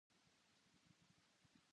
お茶を入れました。